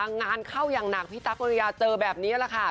งานเข้าอย่างหนักพี่ตั๊กอริยาเจอแบบนี้แหละค่ะ